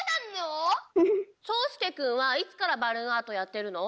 そうすけくんはいつからバルーンアートやってるの？